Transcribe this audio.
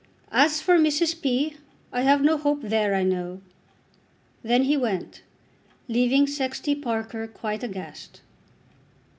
As for Mrs. P. I have no hope there, I know." Then he went, leaving Sexty Parker quite aghast.